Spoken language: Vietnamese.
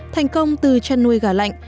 thành công từ chăn nuôi gà lạnh